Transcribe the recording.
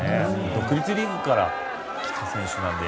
独立リーグから来た選手なので。